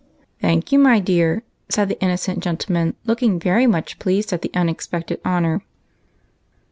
"Thank you, my dear," said the innocent gentle . man, looking much pleased at the unexpected honor.